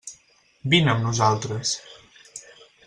Vine amb nosaltres.